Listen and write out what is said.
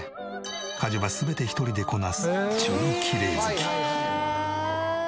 家事は全て１人でこなす超きれい好き。